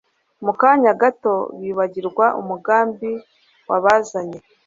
Mu kanya gato bibagirwa umugambi wabazanye.